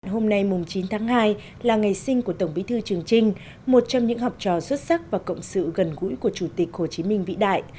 hôm nay chín tháng hai là ngày sinh của tổng bí thư trường trinh một trong những học trò xuất sắc và cộng sự gần gũi của chủ tịch hồ chí minh vĩ đại